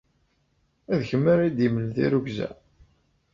D kemm ara iyi-d-yemlen tirrugza?